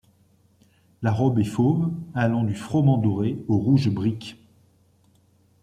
La robe est fauve, allant du froment doré au rouge brique.